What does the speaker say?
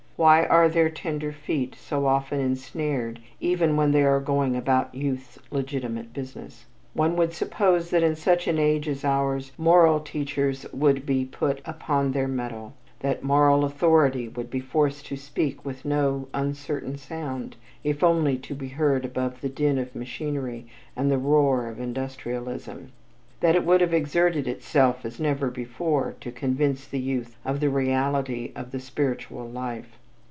Why are their tender feet so often ensnared even when they are going about youth's legitimate business? One would suppose that in such an age as ours moral teachers would be put upon their mettle, that moral authority would be forced to speak with no uncertain sound if only to be heard above the din of machinery and the roar of industrialism; that it would have exerted itself as never before to convince the youth of the reality of the spiritual life.